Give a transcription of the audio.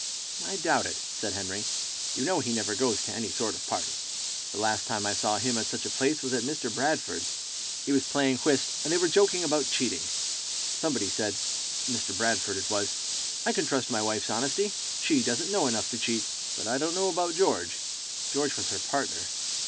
"I doubt it," said Henry. "You know he never goes to any sort of party. The last time I saw him at such a place was at Mr. Bradford's. He was playing whist, and they were joking about cheating. Somebody said Mr. Bradford it was 'I can trust my wife's honesty. She doesn't know enough to cheat, but I don't know about George.' George was her partner.